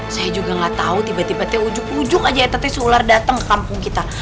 saya juga gak tau tiba tibanya ujung ujung aja ya teteh si ular dateng ke kampung kita